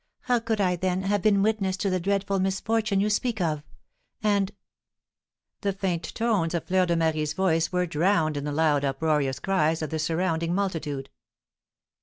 How could I, then, have been witness to the dreadful misfortune you speak of? And " The faint tones of Fleur de Marie's voice were drowned in the loud uproarious cries of the surrounding multitude.